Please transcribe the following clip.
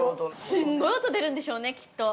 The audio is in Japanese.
◆すごい音出るんでしょうね、きっと。